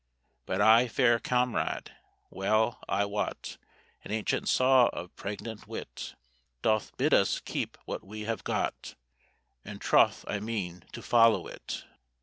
But I, fair comrade, well I wot An ancient saw of pregnant wit Doth bid us keep what we have got; And troth I mean to follow it."